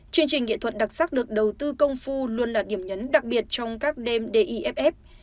chương trình nghệ thuật đặc sắc được đầu tư công phu luôn là điểm nhấn đặc biệt trong các đêm diff